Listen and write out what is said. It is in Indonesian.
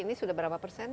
ini sudah berapa persen